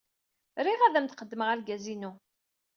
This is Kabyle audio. Riɣ ad am-d-qeddmeɣ argaz-inu.